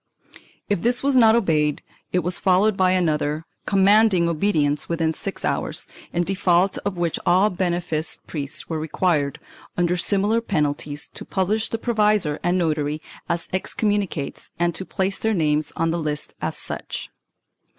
If this was not obeyed, it was followed by another, com manding obedience within six hours, in default of which all beneficed priests were required, under similar penalties, to pub lish the provisor and notary as excommunicates and to place their names on the lists as such.